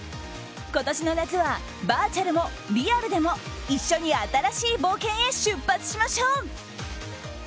今年の夏はバーチャルもリアルでも一緒に新しい冒険へ出発しましょう！